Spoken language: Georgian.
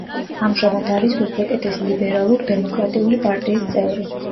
ამჟამად არის უზბეკეთის ლიბერალურ-დემოკრატიული პარტიის წევრი.